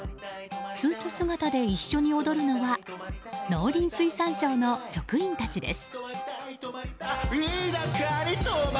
スーツ姿で一緒に踊るのは農林水産省の職員たちです。